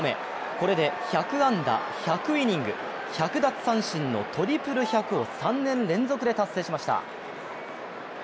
これで１００安打、１００イニング１００奪三振のトリプル１００を３年連続で達成しました。